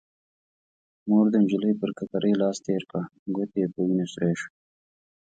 مور د نجلۍ پر ککرۍ لاس تير کړ، ګوتې يې په وينو سرې شوې.